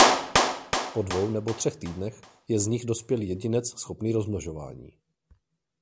Po dvou nebo třech týdnech je z nich dospělý jedinec schopný rozmnožování.